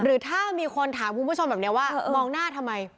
หรือถ้ามีคนถามคุณผู้ชมแบบนี้ว่ามองหน้าทำไม